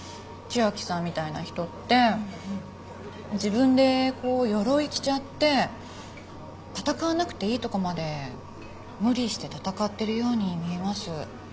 千明さんみたいな人って自分でこうよろい着ちゃって闘わなくていいとこまで無理して闘ってるように見えます。